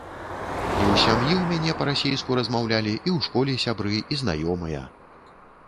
І ў сям'і ў мяне па-расейску размаўлялі, і ў школе сябры і знаёмыя.